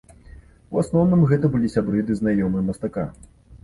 У асноўным, гэта былі сябры ды знаёмыя мастака.